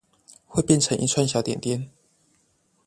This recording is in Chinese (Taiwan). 會變成一串小點點